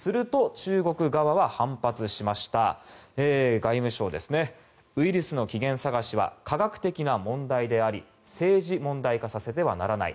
中国外務省ですがウイルスの起源探しは科学的な問題であり政治問題化させてはならない。